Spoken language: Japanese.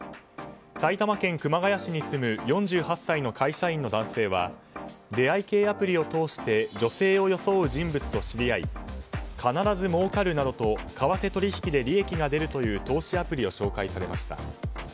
埼玉県熊谷市に住む４８歳の会社員の男性は出会い系アプリを通して女性を装う人物と知り合い必ずもうかるなどと為替取引で利益が出るという投資アプリを紹介されました。